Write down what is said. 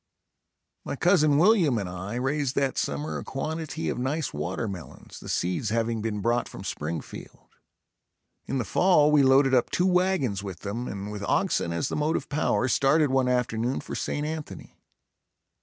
My cousin William and I raised that summer a quantity of nice watermelons, the seeds having been brought from Springfield. In the fall we loaded up two wagons with them and with oxen as the motive power started one afternoon for St. Anthony.